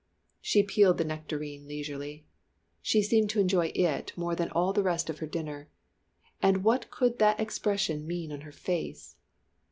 She peeled the nectarine leisurely she seemed to enjoy it more than all the rest of her dinner. And what could that expression mean on her face?